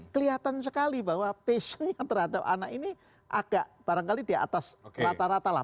kelihatan sekali bahwa passionnya terhadap anak ini agak barangkali di atas rata rata lah